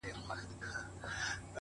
• بازاري ویل قصاب دی زموږ په ښار کي,